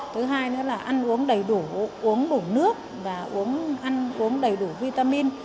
thứ hai nữa là ăn uống đầy đủ uống đủ nước và uống đầy đủ vitamin